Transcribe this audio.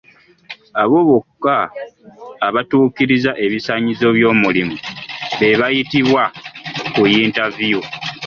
Abo bokka abatuukiriza ebisaanyizo by'omulimu be bayitibwa ku yintaaviyu.